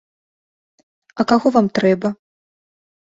А каго вам трэба?